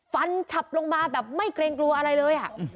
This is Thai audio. ฉับลงมาแบบไม่เกรงกลัวอะไรเลย